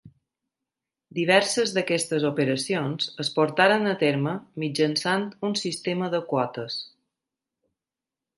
Diverses d'aquestes operacions es portaren a terme mitjançant un sistema de quotes.